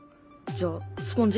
じゃあスポンジ？